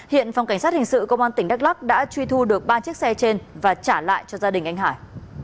hiện phòng cảnh sát hình sự công an tỉnh đắk lắc đã truy thu được ba chiếc xe trên và trả lại cho gia đình anh hải